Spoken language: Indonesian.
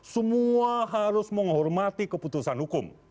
semua harus menghormati keputusan hukum